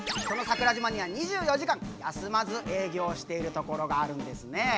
その桜島には２４時間休まず営業しているところがあるんですね。